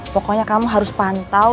pokoknya kamu harus pantau